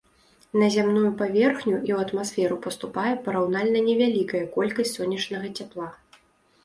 На зямную паверхню і у атмасферу паступае параўнальна невялікая колькасць сонечнага цяпла.